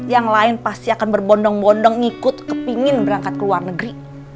yang lain pasti akan berbondong bondong ngikut kepingin berangkat ke luar negeri